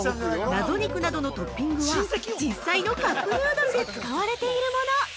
謎肉などのトッピングは実際のカップヌードルで使われているもの。